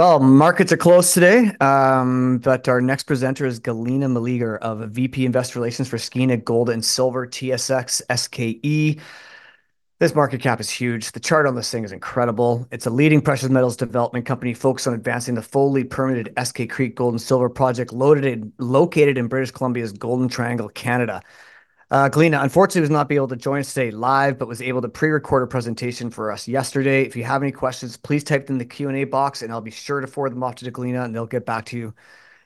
Well, markets are closed today, but our next presenter is Galina Meleger, VP of Investor Relations for Skeena Golden & Silver, TSX, SKE. This market cap is huge. The chart on this thing is incredible. It's a leading precious metals development company focused on advancing the fully permitted Eskay Creek Gold-Silver Project located in British Columbia's Golden Triangle, Canada. Galina, unfortunately, was not able to join us today live, but was able to pre-record a presentation for us yesterday. If you have any questions, please type in the Q&A box, and I'll be sure to forward them off to Galina, and they'll get back to you.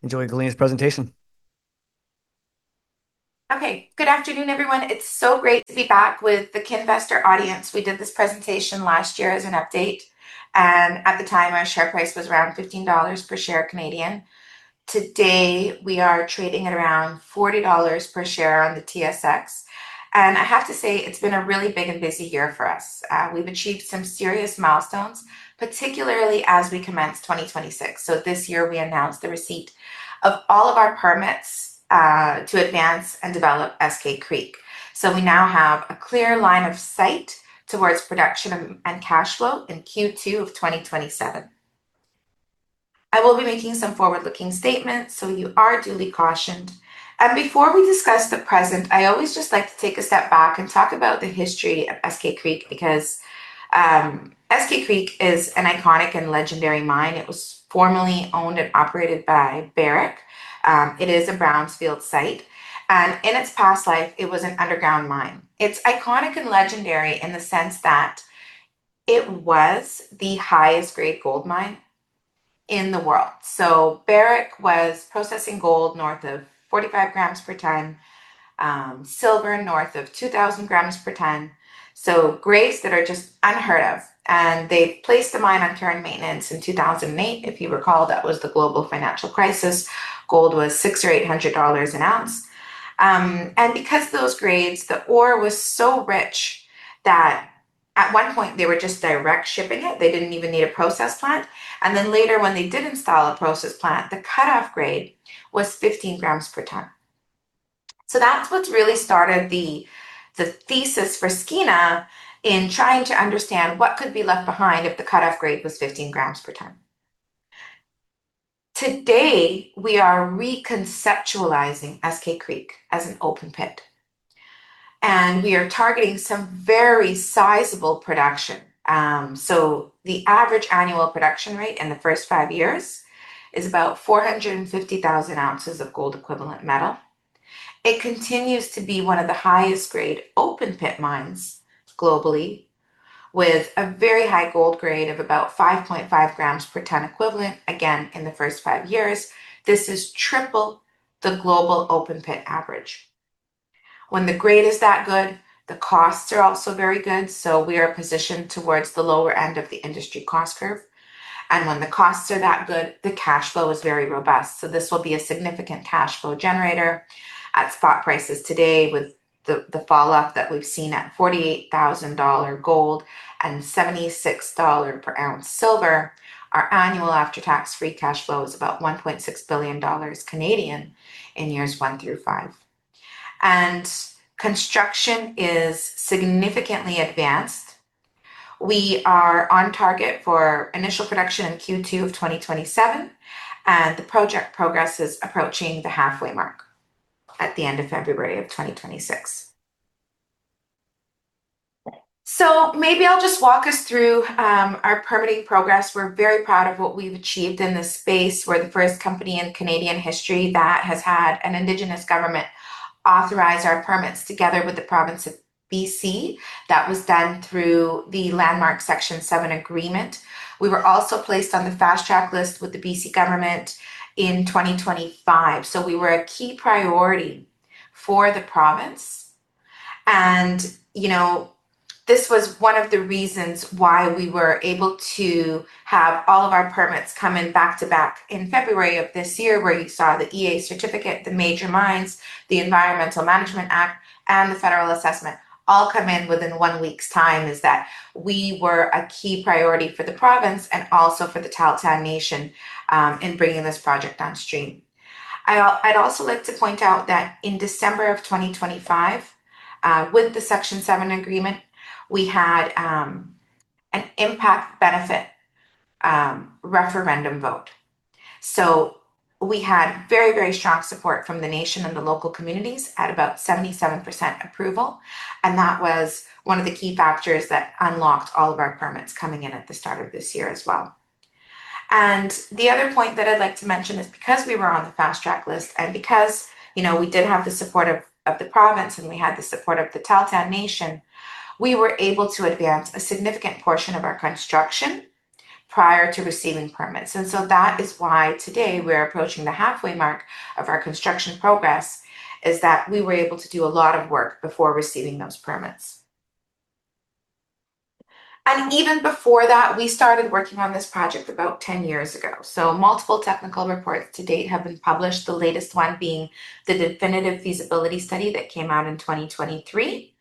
Enjoy Galina's presentation. Okay. Good afternoon, everyone. It's so great to be back with the Kinvestor audience. We did this presentation last year as an update, and at the time, our share price was around 15 dollars per share. Today, we are trading at around 40 dollars per share on the TSX. I have to say it's been a really big and busy year for us. We've achieved some serious milestones, particularly as we commence 2026. This year, we announced the receipt of all of our permits to advance and develop Eskay Creek. We now have a clear line of sight towards production and cash flow in Q2 of 2027. I will be making some forward-looking statements, so you are duly cautioned. Before we discuss the present, I always just like to take a step back and talk about the history of Eskay Creek because Eskay Creek is an iconic and legendary mine. It was formerly owned and operated by Barrick. It is a brownfield site. In its past life, it was an underground mine. It's iconic and legendary in the sense that it was the highest grade gold mine in the world. Barrick was processing gold north of 45 grams per ton, silver north of 2,000 grams per ton. Grades that are just unheard of, and they placed the mine on care and maintenance in 2008. If you recall, that was the global financial crisis. Gold was $600-$800 an ounce. Because those grades, the ore was so rich that at one point they were just direct shipping it. They didn't even need a process plant. Then later when they did install a process plant, the cutoff grade was 15 grams per ton. That's what's really started the thesis for Skeena in trying to understand what could be left behind if the cutoff grade was 15 grams per ton. Today, we are reconceptualizing Eskay Creek as an open pit, and we are targeting some very sizable production. The average annual production rate in the first five years is about 450,000 ounces of gold equivalent metal. It continues to be one of the highest grade open pit mines globally, with a very high gold grade of about 5.5 grams per ton equivalent, again, in the first five years. This is triple the global open pit average. When the grade is that good, the costs are also very good, so we are positioned towards the lower end of the industry cost curve. When the costs are that good, the cash flow is very robust. This will be a significant cash flow generator. At spot prices today with the falloff that we've seen at $48,000 gold and $76 per ounce silver, our annual after-tax free cash flow is about 1.6 billion Canadian dollars in years one through five. Construction is significantly advanced. We are on target for initial production in Q2 of 2027, and the project progress is approaching the halfway mark at the end of February of 2026. Maybe I'll just walk us through our permitting progress. We're very proud of what we've achieved in this space. We're the first company in Canadian history that has had an indigenous government authorize our permits together with the province of BC. That was done through the landmark Section 7 agreement. We were also placed on the fast track list with the BC government in 2025, so we were a key priority for the province. You know, this was one of the reasons why we were able to have all of our permits come in back-to-back in February of this year, where you saw the EA certificate, the Mines Act, the Environmental Management Act, and the federal assessment all come in within one week's time, is that we were a key priority for the province and also for the Tahltan Nation in bringing this project downstream. I'd also like to point out that in December of 2025, with the Section 7 agreement, we had an impact benefit referendum vote. We had very, very strong support from the nation and the local communities at about 77% approval. That was one of the key factors that unlocked all of our permits coming in at the start of this year as well. The other point that I'd like to mention is because we were on the fast track list and because, you know, we did have the support of the province and we had the support of the Tahltan Nation, we were able to advance a significant portion of our construction prior to receiving permits. That is why today we're approaching the halfway mark of our construction progress, is that we were able to do a lot of work before receiving those permits. Even before that, we started working on this project about 10 years ago. Multiple technical reports to date have been published, the latest one being the definitive feasibility study that came out in 2023.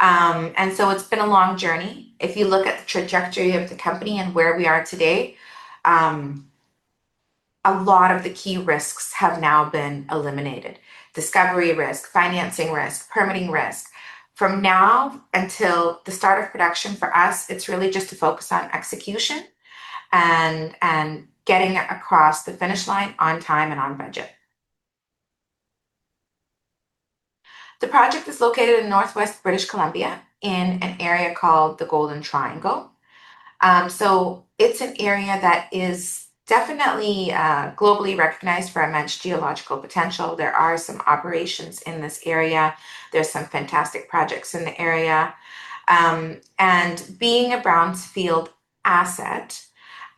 It's been a long journey. If you look at the trajectory of the company and where we are today, a lot of the key risks have now been eliminated. Discovery risk, financing risk, permitting risk. From now until the start of production for us, it's really just to focus on execution and getting across the finish line on time and on budget. The project is located in northwest British Columbia in an area called the Golden Triangle. It's an area that is definitely globally recognized for immense geological potential. There are some operations in this area. There's some fantastic projects in the area. Being a brownfield asset,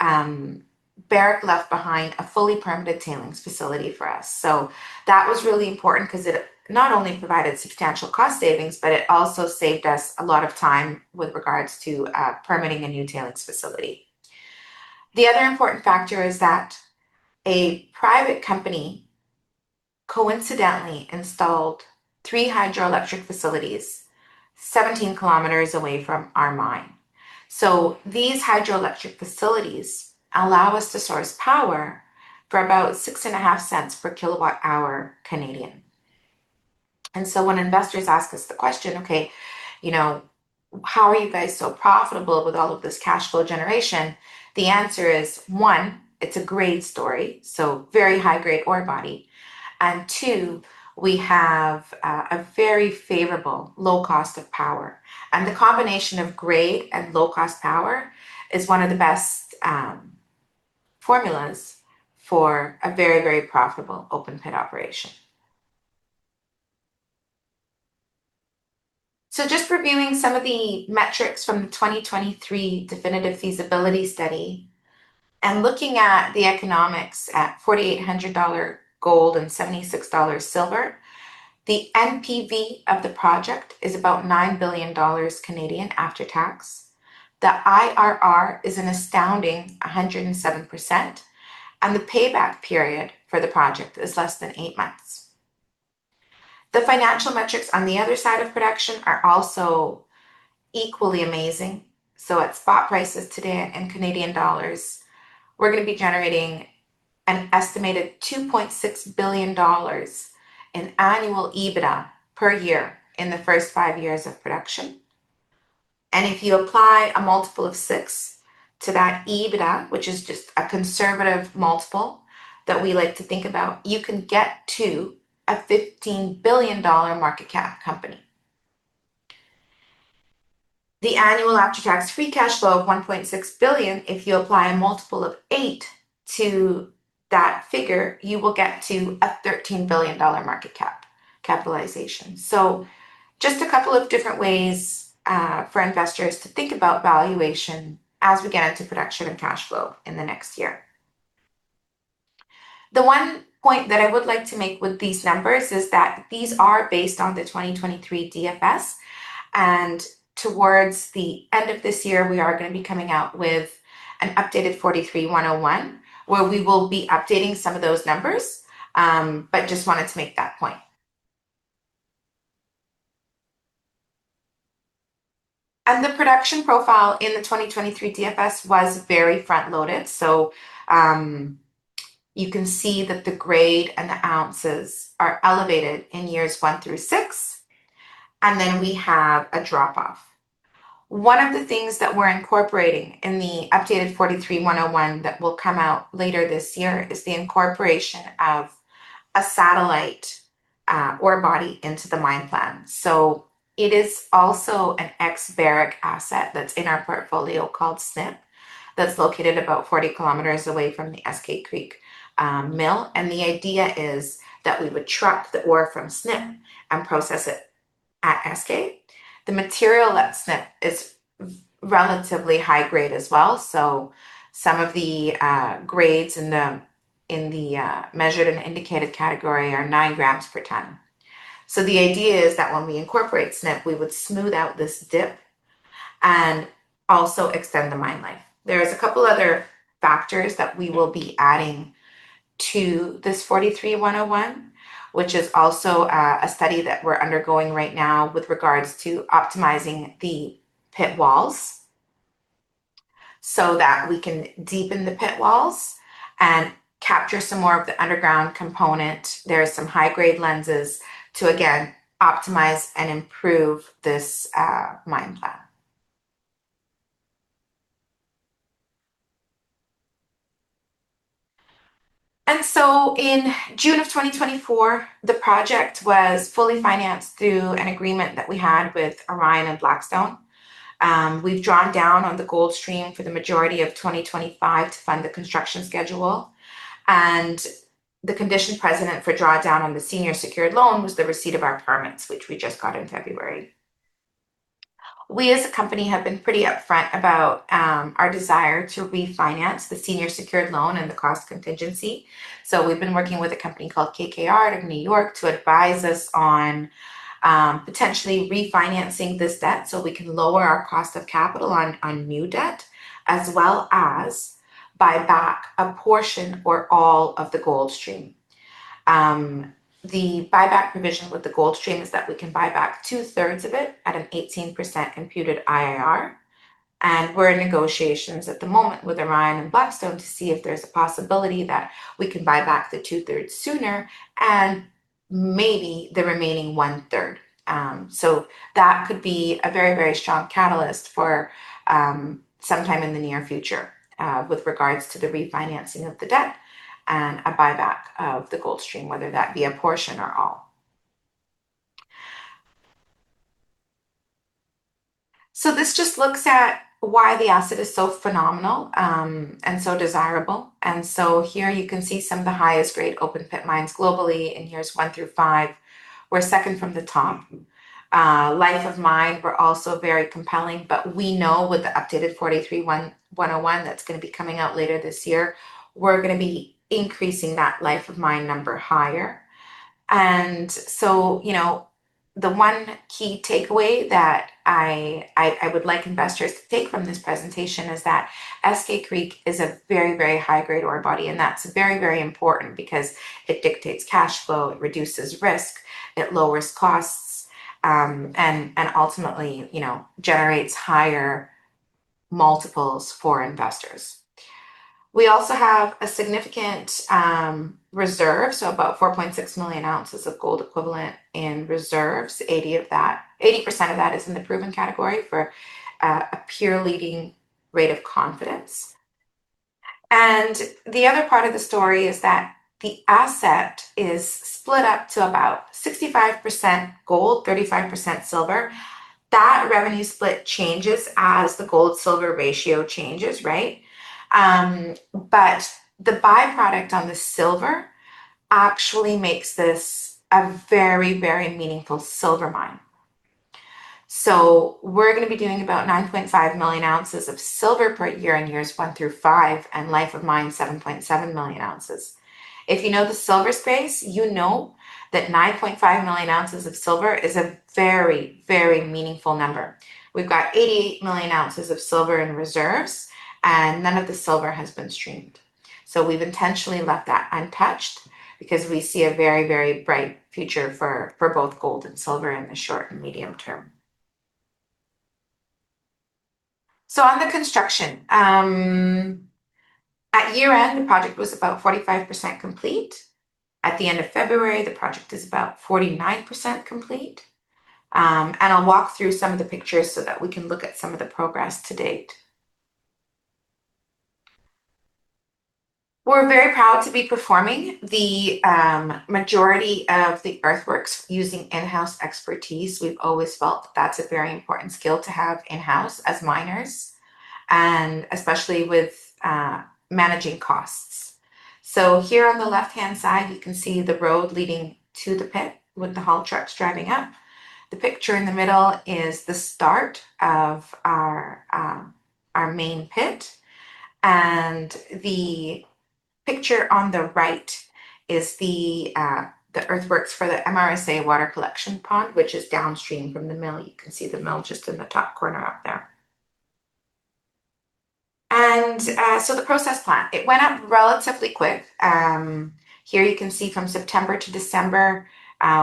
Barrick left behind a fully permitted tailings facility for us. That was really important 'cause it not only provided substantial cost savings, but it also saved us a lot of time with regards to permitting a new tailings facility. The other important factor is that a private company coincidentally installed three hydroelectric facilities 17 km away from our mine. These hydroelectric facilities allow us to source power for about 0.065 per kWh. When investors ask us the question, okay, you know, how are you guys so profitable with all of this cash flow generation? The answer is, one, it's a grade story, so very high grade ore body. Two, we have a very favorable low cost of power. The combination of grade and low cost power is one of the best formulas for a very, very profitable open pit operation. Just reviewing some of the metrics from the 2023 definitive feasibility study, and looking at the economics at $4,800 gold and $76 silver, the NPV of the project is about 9 billion Canadian dollars after tax. The IRR is an astounding 107%, and the payback period for the project is less than eight months. The financial metrics on the other side of production are also equally amazing. At spot prices today in Canadian dollars, we're gonna be generating an estimated 2.6 billion dollars in annual EBITDA per year in the first five years of production. If you apply a multiple of six to that EBITDA, which is just a conservative multiple that we like to think about, you can get to a 15 billion dollar market cap company. The annual after-tax free cash flow of 1.6 billion, if you apply a multiple of eight to that figure, you will get to a 13 billion dollar market cap capitalization. Just a couple of different ways for investors to think about valuation as we get into production and cash flow in the next year. The one point that I would like to make with these numbers is that these are based on the 2023 DFS, and towards the end of this year, we are gonna be coming out with an updated 43-101, where we will be updating some of those numbers. Just wanted to make that point. The production profile in the 2023 DFS was very front-loaded. You can see that the grade and the ounces are elevated in years one through six, and then we have a drop-off. One of the things that we're incorporating in the updated 43-101 that will come out later this year is the incorporation of a satellite ore body into the mine plan. It is also an ex-Barrick asset that's in our portfolio called Snip that's located about 40 km away from the Eskay Creek mill. The idea is that we would truck the ore from Snip and process it at Eskay Creek. The material at Snip is relatively high grade as well. Some of the grades in the measured and indicated category are 9 grams per ton. The idea is that when we incorporate Snip, we would smooth out this dip and also extend the mine life. There is a couple other factors that we will be adding to this 43-101, which is also a study that we're undergoing right now with regards to optimizing the pit walls so that we can deepen the pit walls and capture some more of the underground component. There are some high grade lenses to, again, optimize and improve this mine plan. In June 2024, the project was fully financed through an agreement that we had with Orion and Blackstone. We've drawn down on the gold stream for the majority of 2025 to fund the construction schedule. The condition precedent for drawdown on the senior secured loan was the receipt of our permits, which we just got in February. We as a company have been pretty upfront about our desire to refinance the senior secured loan and the cost contingency. We've been working with a company called KKR out of New York to advise us on potentially refinancing this debt so we can lower our cost of capital on new debt as well as buy back a portion or all of the gold stream. The buyback provision with the gold stream is that we can buy back 2/3 of it at an 18% computed IRR. We're in negotiations at the moment with Orion and Blackstone to see if there's a possibility that we can buy back the 2/3 sooner and maybe the remaining 1/3. That could be a very, very strong catalyst for sometime in the near future with regards to the refinancing of the debt and a buyback of the gold stream, whether that be a portion or all. This just looks at why the asset is so phenomenal and so desirable. Here you can see some of the highest grade open-pit mines globally, and here's one through five. We're second from the top. Life of mine, we're also very compelling, but we know with the updated 43-101 that's gonna be coming out later this year, we're gonna be increasing that life of mine number higher. You know, the one key takeaway that I would like investors to take from this presentation is that Eskay Creek is a very, very high-grade ore body, and that's very, very important because it dictates cash flow, it reduces risk, it lowers costs, and ultimately, you know, generates higher multiples for investors. We also have a significant reserve, so about 4.6 million ounces of gold equivalent in reserves. 80% of that is in the proven category for a peer leading rate of confidence. The other part of the story is that the asset is split up to about 65% gold, 35% silver. That revenue split changes as the gold-silver ratio changes, right? The byproduct on the silver actually makes this a very, very meaningful silver mine. We're gonna be doing about 9.5 million ounces of silver per year in years one through five, and life of mine, 7.7 million ounces. If you know the silver space, you know that 9.5 million ounces of silver is a very, very meaningful number. We've got 88 million ounces of silver in reserves, and none of the silver has been streamed. We've intentionally left that untouched because we see a very, very bright future for both gold and silver in the short and medium term. On the construction, at year-end, the project was about 45% complete. At the end of February, the project is about 49% complete. I'll walk through some of the pictures so that we can look at some of the progress to date. We're very proud to be performing the majority of the earthworks using in-house expertise. We've always felt that's a very important skill to have in-house as miners, and especially with managing costs. Here on the left-hand side, you can see the road leading to the pit with the haul trucks driving up. The picture in the middle is the start of our main pit. The picture on the right is the earthworks for the MRSA water collection pond, which is downstream from the mill. You can see the mill just in the top corner up there. The process plant, it went up relatively quick. Here you can see from September to December,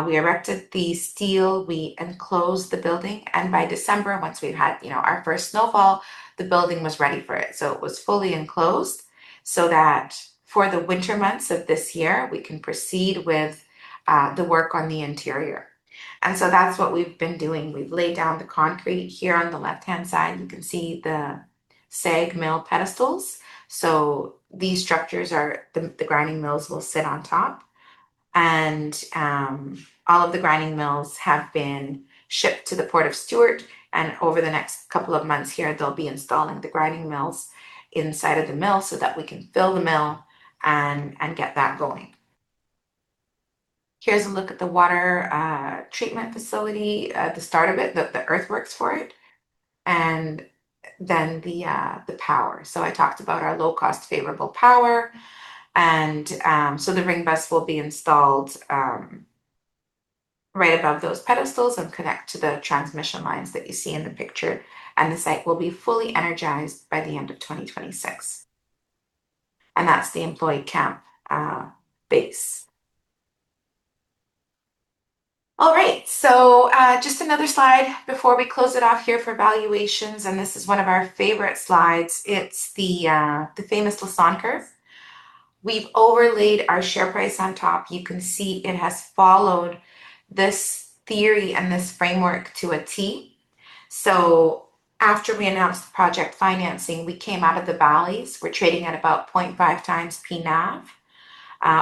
we erected the steel, we enclosed the building, and by December, once we'd had, you know, our first snowfall, the building was ready for it. It was fully enclosed so that for the winter months of this year, we can proceed with the work on the interior. That's what we've been doing. We've laid down the concrete here on the left-hand side. You can see the SAG mill pedestals. These structures are the grinding mills will sit on top. All of the grinding mills have been shipped to the Port of Stewart. Over the next couple of months here, they'll be installing the grinding mills inside of the mill so that we can fill the mill and get that going. Here's a look at the water treatment facility at the start of it, the earthworks for it, and then the power. I talked about our low-cost favorable power. The ring bus will be installed right above those pedestals and connect to the transmission lines that you see in the picture. The site will be fully energized by the end of 2026. That's the employee camp base. All right. Just another slide before we close it off here for valuations, and this is one of our favorite slides. It's the famous Lassonde Curve. We've overlaid our share price on top. You can see it has followed this theory and this framework to a T. After we announced the project financing, we came out of the valleys. We're trading at about 0.5x P/NAV,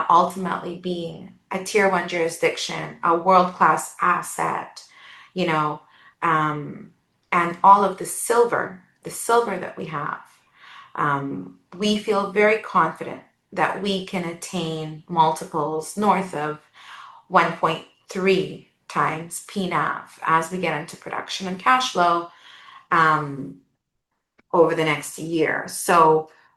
ultimately being a Tier 1 jurisdiction, a world-class asset, you know, and all of the silver that we have. We feel very confident that we can attain multiples north of 1.3x P/NAV as we get into production and cash flow over the next year.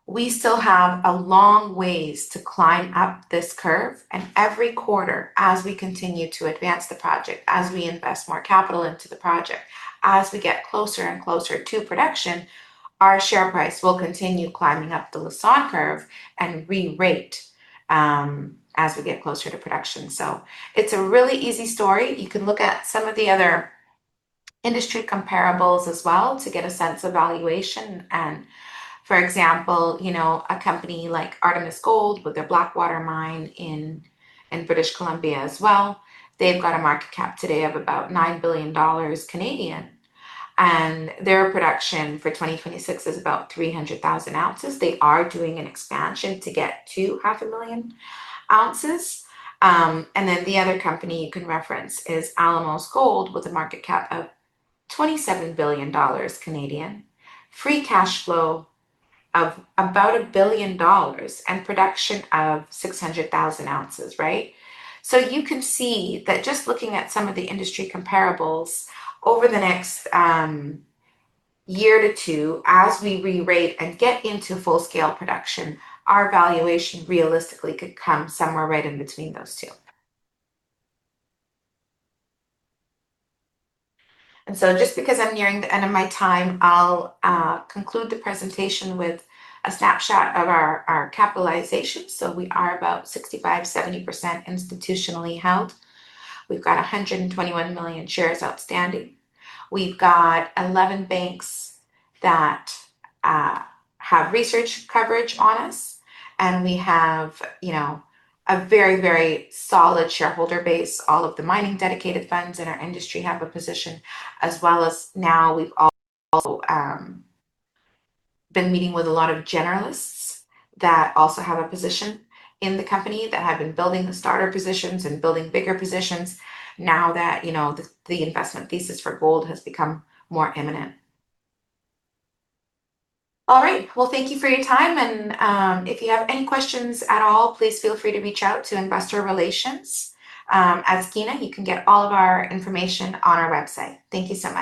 We still have a long ways to climb up this curve. Every quarter, as we continue to advance the project, as we invest more capital into the project, as we get closer and closer to production, our share price will continue climbing up the Lassonde Curve and re-rate as we get closer to production. It's a really easy story. You can look at some of the other industry comparables as well to get a sense of valuation. For example, you know, a company like Artemis Gold with their Blackwater Mine in British Columbia as well, they've got a market cap today of about 9 billion Canadian dollars. Their production for 2026 is about 300,000 ounces. They are doing an expansion to get to 500,000 ounces. Then the other company you can reference is Alamos Gold with a market cap of 27 billion Canadian dollars, free cash flow of about 1 billion dollars, and production of 600,000 ounces, right? You can see that just looking at some of the industry comparables over the next year or two, as we rerate and get into full scale production, our valuation realistically could come somewhere right in between those two. Just because I'm nearing the end of my time, I'll conclude the presentation with a snapshot of our capitalization. We are about 65%-70% institutionally held. We've got 121 million shares outstanding. We've got 11 banks that have research coverage on us, and we have, you know, a very, very solid shareholder base. All of the mining dedicated funds in our industry have a position as well as now we've also been meeting with a lot of generalists that also have a position in the company that have been building the starter positions and building bigger positions now that, you know, the investment thesis for gold has become more imminent. All right, well, thank you for your time and if you have any questions at all, please feel free to reach out to investor relations. Ask Gina. You can get all of our information on our website. Thank you so much.